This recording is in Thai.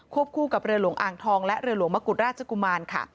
คู่กับเรือหลวงอ่างทองและเรือหลวงมะกุฎราชกุมารค่ะ